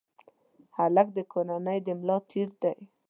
هلک د کورنۍ د ملا تیر دی.